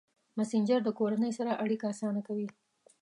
مسېنجر د کورنۍ سره اړیکه اسانه کوي.